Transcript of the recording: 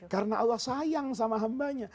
karena allah sayang sama hambanya